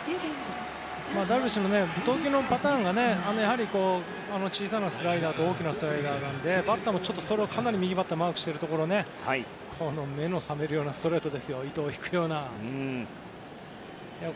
ダルビッシュの投球パターンが小さなスライダーと大きなスライダーなのでバッターもかなり右バッターマークしているところこの目の覚めるような糸を引くようなストレートですよ。